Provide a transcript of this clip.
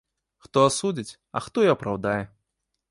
Хто асудзіць, а хто і апраўдае.